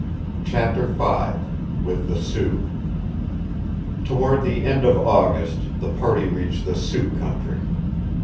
CHAPTER V WITH THE SIOUX Toward the end of August the party reached the Sioux country.